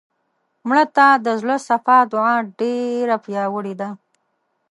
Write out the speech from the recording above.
مړه ته د زړه صفا دعا ډېره پیاوړې ده